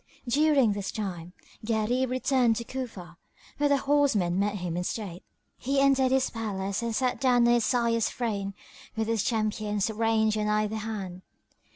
During this time Gharib returned to Cufa, where the horsemen met him in state. He entered his palace and sat down on his sire's throne with his champions ranged on either hand.